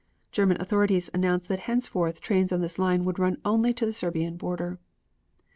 German authorities announced that henceforth trains on this line would run only to the Serbian border.